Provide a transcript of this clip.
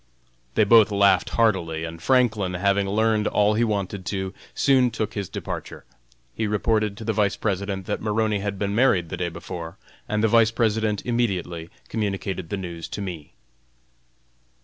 They both laughed heartily, and Franklin, having learned all he wanted to, soon took his departure. He reported to the Vice President that Maroney had been married the day before, and the Vice President immediately communicated the news to me.